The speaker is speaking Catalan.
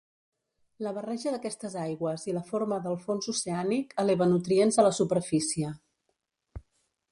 La barreja d'aquestes aigües i la forma del fons oceànic eleva nutrients a la superfície.